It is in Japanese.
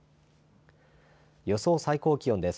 予想最高気温です。